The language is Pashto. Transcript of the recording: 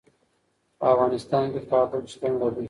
په افغانستان کې کابل شتون لري.